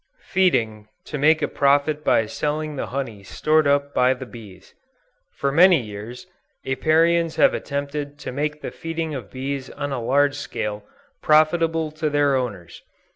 FEEDING, TO MAKE A PROFIT BY SELLING THE HONEY STORED UP BY THE BEES. For many years, Apiarians have attempted to make the feeding of bees on a large scale, profitable to their owners.